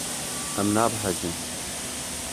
Em nabehecin.